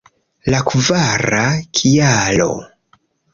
La kvara kialo!